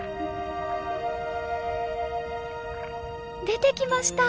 出てきました！